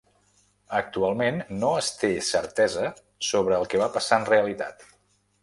Actualment no es té certesa sobre el que va passar en realitat.